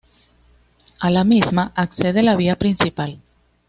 A la misma accede la vía principal.